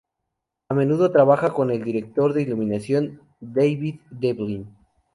A menudo trabaja con el director de iluminación David Devlin.